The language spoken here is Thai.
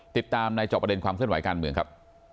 ติดตามในจอบประเด็นความเคลื่อนไหวการเมืองครับ